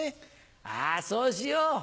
ああそうしよう。